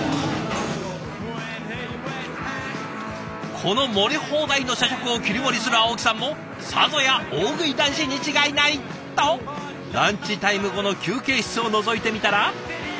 この盛り放題の社食を切り盛りする青木さんもさぞや大食い男子に違いないとランチタイム後の休憩室をのぞいてみたら。